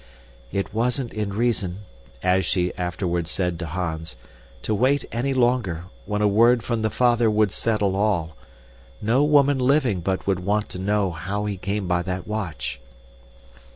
"It wasn't in reason," as she afterward said to Hans, "to wait any longer, when a word from the father would settle all. No woman living but would want to know how he came by that watch."